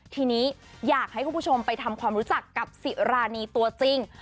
ทีนี้อยากให้คุณผู้ชมไปทำความรู้จักกับสิรานีตัวจริง